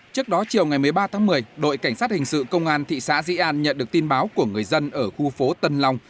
trước đó chiều ngày một mươi ba tháng một mươi đội cảnh sát hình sự công an thị xã di an nhận được tin báo của người dân ở khu phố tân long